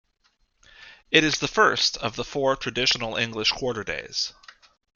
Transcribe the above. It is the first of the four traditional English quarter days.